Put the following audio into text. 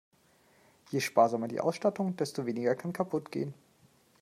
Je sparsamer die Ausstattung, desto weniger kann kaputt gehen.